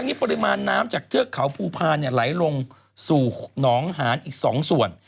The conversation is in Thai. วันนี้ปริมาณน้ำจากเทือกเขาภูพาลไหลลงสู่หนองหานอีก๒ส่วน